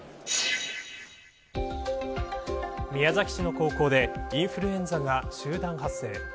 宮崎市の高校でインフルエンザが集団発生。